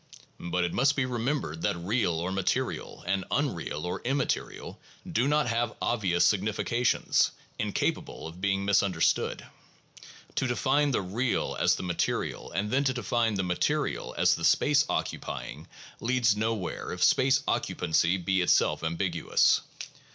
But it must be remembered that 'real' or 'ma terial' and 'unreal' or 'immaterial' do not have obvious sig nifications, incapable of being misunderstood. To define the 'real' as the 'material,' and then to define the 'material' as the 'space occupying,' leads nowhere if space occupancy be itself ambiguous.